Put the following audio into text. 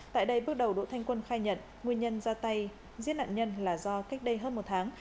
tại đây bước đầu đỗ thanh quân khai nhận nguyên nhân ra tay giết nạn nhân là do cách đây hơn một tháng